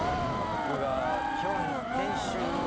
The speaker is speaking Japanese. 僕が基本。